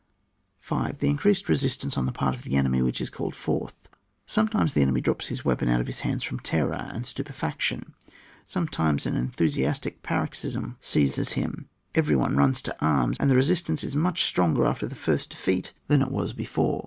5. The increased resistance on the part of the enemy which is called forth. Sometimes the enemy drops his weapon out of his hands from terror and stupe faction ; sometimes an enthusiastic pa roxysm seizes him, every one runs to arms, and the resistance is much strong er after the flrst defeat than it was 88 ON WAR. [book VU. before.